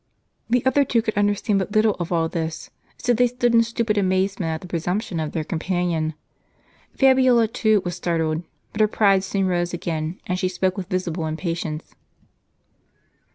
The other two could understand but little of all this ; so they stood in stupid amazement at the presumption of their companion. Fabiola too was startled ; but her pride soon rose again, and she spoke with visible impatience.